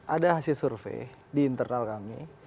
ada hasil survei di internal kami